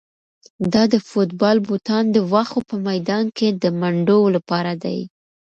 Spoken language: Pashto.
دا د فوټبال بوټان د واښو په میدان کې د منډو لپاره دي.